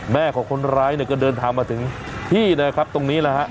แม่ของคนร้ายก็เดินทางมาถึงที่นะครับตรงนี้เลยครับ